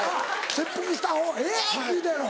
切腹した方「えぇ⁉」って言うたやろ。